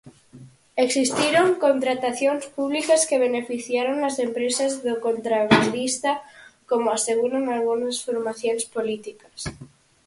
Existiron contratacións públicas que beneficiaron as empresas do contrabandista como aseguran algunhas formacións políticas?